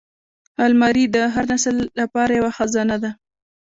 الماري د هر نسل لپاره یوه خزانه ده